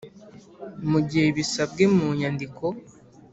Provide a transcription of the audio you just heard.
mu gihe bisabwe mu nyandiko